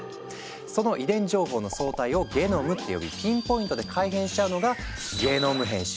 その遺伝情報の総体をゲノムって呼びピンポイントで改変しちゃうのが「ゲノム編集」。